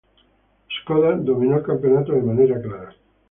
Škoda dominó el campeonato de manera clara.